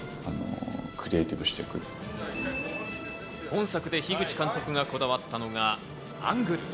本作で樋口監督がこだわったのが、アングル。